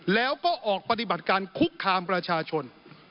แล้วก็ออกปฏิบัติการคุกคามประชาชน